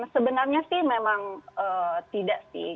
sebenarnya sih memang tidak sih